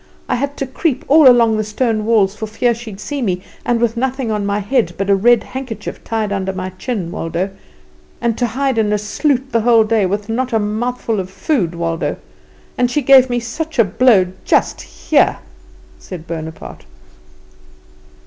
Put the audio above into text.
"I had to creep all along the stone walls for fear she'd see me, and with nothing on my head but a red handkerchief, tied under my chin, Waldo; and to hide in a sloot the whole day, with not a mouthful of food, Waldo. And she gave me such a blow, just here," said Bonaparte.